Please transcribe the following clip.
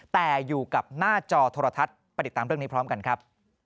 แต่อยู่กับหน้าจอโทรทัศน์ไปติดตามเรื่องนี้พร้อมกันครับ